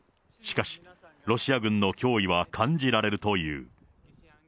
しかし、ロシア軍の脅威は感じられるという。